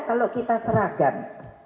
kalau kita seragam